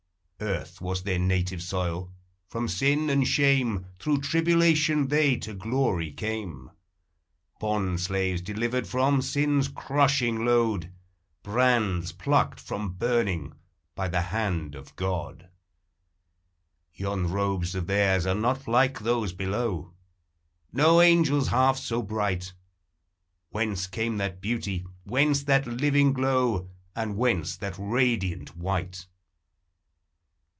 Earth was their native soil ; from sin and shame, Through tribulation, they to glory came; Bond slaves delivered from sin's crushing load, Brands plucked from burning by the hand of God. Yon robes of theirs are not like those below; No angel's half so bright; Whence came that beauty, whence that living glow, And whence that radiant white?